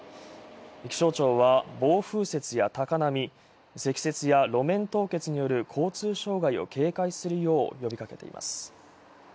気象庁は暴風雪や高波積雪や路面凍結による交通障害を警戒するよう呼びかけています。